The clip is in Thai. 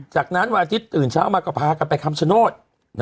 จากนั้นวันอาทิตย์ตื่นเช้ามาก็พากันไปคำชโนธ